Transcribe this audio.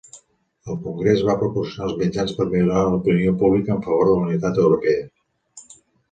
El Congrés va proporcionar els mitjans per millorar l'opinió pública en favor de la unitat europea.